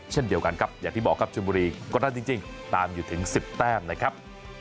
เช่นเดียวกันครับอย่างที่บอกครับชนบุรีกดดันจริงตามอยู่ถึง๑๐แต้มนะครับ